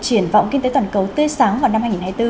triển vọng kinh tế toàn cầu tươi sáng vào năm hai nghìn hai mươi bốn